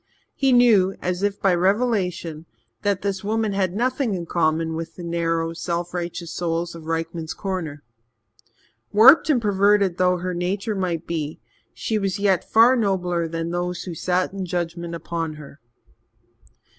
He knew, as if by revelation, that this woman had nothing in common with the narrow, self righteous souls of Rykman's Corner. Warped and perverted though her nature might be, she was yet far nobler than those who sat in judgement upon her.